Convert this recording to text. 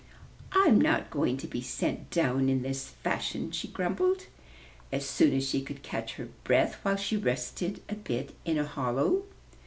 'Tm not going to be sent down in this fashion," she grumbled, as soon as she could catch her breath, while she rested a bit in a hollow.